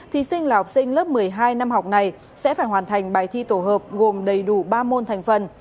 thí sinh là học sinh lớp một mươi hai năm học này sẽ phải hoàn thành bài thi tổ hợp gồm đầy đủ ba môn thành phần